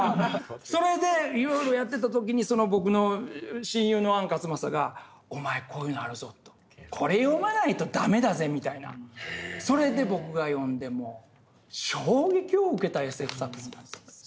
それでいろいろやってた時にその僕の親友の安克昌がお前こういうのあるぞとこれ読まないと駄目だぜみたいなそれで僕が読んでもう衝撃を受けたＳＦ作品なんです。